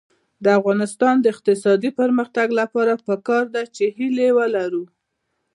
د افغانستان د اقتصادي پرمختګ لپاره پکار ده چې هیلې ولرو.